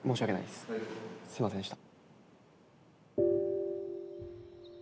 すいませんでした。